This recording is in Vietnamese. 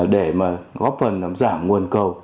để mà góp phần làm giảm nguồn cầu